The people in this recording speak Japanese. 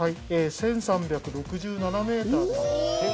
１３６７。